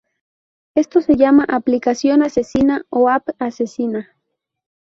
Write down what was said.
Esto se llama aplicación asesina o "app asesina".